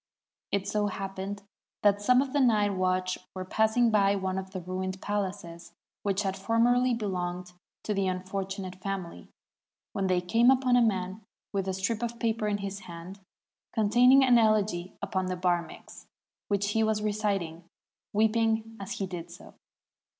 It so happened that some of the night watch were passing by one of the ruined palaces which had formerly belonged to the unfortunate family, when they came upon a man with a strip of paper in his hand con taining an elegy upon the Barmeks, which he was reciting, weeping as he did so.